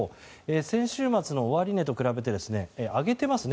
先週末の終値と比べて上げていますね。